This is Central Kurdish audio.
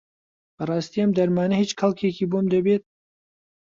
بەڕاستی ئەم دەرمانە هیچ کەڵکێکی بۆم دەبێت؟